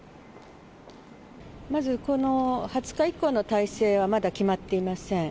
まずこの２０日以降の体制はまだ決まっていません。